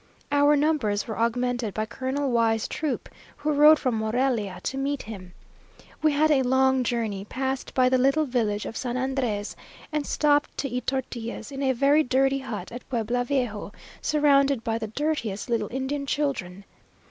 Our numbers were augmented by Colonel Y 's troop, who rode from Morelia to meet him. We had a long journey, passed by the little village of San Andrés, and stopped to eat tortillas in a very dirty hut at Pueblo Viejo, surrounded by the dirtiest little Indian children.